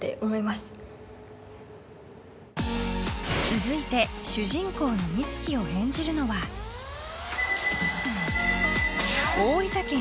続いて主人公の美月を演じるのは大分県